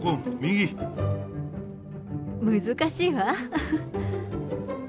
難しいわ。